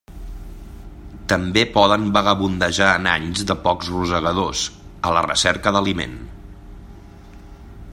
També poden vagabundejar en anys de pocs rosegadors, a la recerca d'aliment.